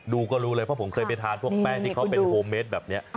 ดูก็รู้เลยเพราะผมเคยไปทานพวกแป้งที่เขาเป็นโฮเมดแบบนี้